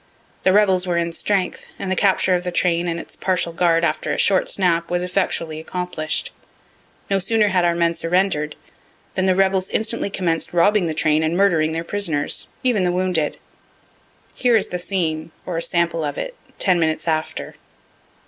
The rebels were in strength, and the capture of the train and its partial guard after a short snap was effectually accomplish'd. No sooner had our men surrender'd, the rebels instantly commenced robbing the train and murdering their prisoners, even the wounded. Here is the scene, or a sample of it, ten minutes after.